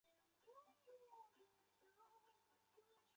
双线黄毒蛾为毒蛾科黄毒蛾属下的一个种。